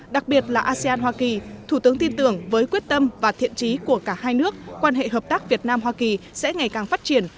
đặc biệt là asean hoa kỳ thủ tướng tin tưởng với quyết tâm và thiện trí của cả hai nước quan hệ hợp tác việt nam hoa kỳ sẽ ngày càng phát triển